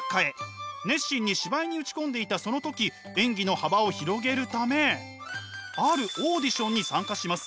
熱心に芝居に打ち込んでいたその時演技の幅を広げるためあるオーディションに参加します。